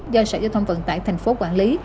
do sở giao thông vận tải thành phố quản lý